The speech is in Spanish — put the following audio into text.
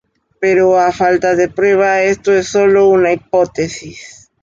Pero, a falta de prueba, esto es solo una hipótesis.